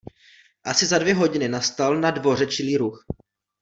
Asi za dvě hodiny nastal na dvoře čilý ruch.